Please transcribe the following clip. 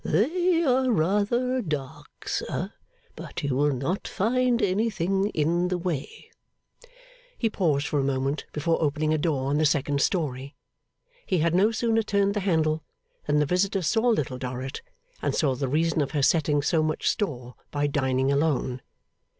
'They are rather dark, sir, but you will not find anything in the way.' He paused for a moment before opening a door on the second story. He had no sooner turned the handle than the visitor saw Little Dorrit, and saw the reason of her setting so much store by dining alone.